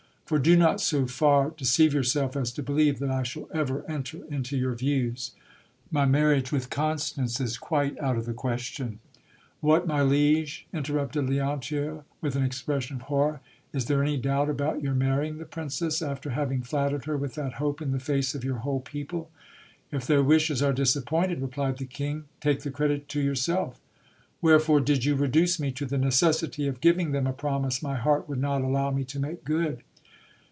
For do not so far deceive yourself as to believe that I shall ever enter into your views. My mar riage with Constance is quite out of the question What, my liege, interrupted Leontio, with an expression of horror, is there any doubt about your marrying the princess, after having flattered her with that hope in the face of your whole people ? If their wishes are disappointed, replied the king, take the credit to yourself. Wherefore did you reduce me to the necessity of giving them a promise my heart would not allow me to make good